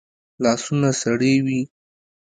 لاسونه سړې وي